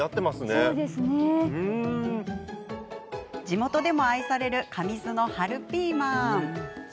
地元でも愛される神栖の春ピーマン。